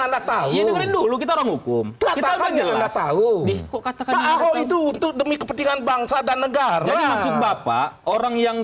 dulu kita ngukum kita jelas tahu itu untuk demi kepentingan bangsa dan negara bapak orang yang